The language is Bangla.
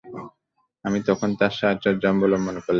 আমি তখন তার সাহচর্য অবলম্বন করলাম।